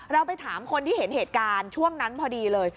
เราไปถามคนที่เห็นเหตุการณ์ช่วงนั้นพอดีเลย